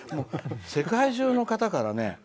世界中の方からね。